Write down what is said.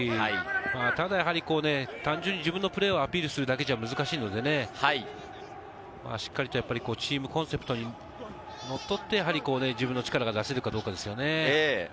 ただやはり単純に自分のプレーをアピールするだけじゃ難しいので、しっかりとチームコンセプトにのっとって、自分の力が出せるかどうかですね。